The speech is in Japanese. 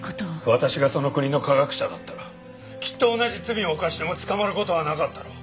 私がその国の科学者だったらきっと同じ罪を犯しても捕まる事はなかったろう。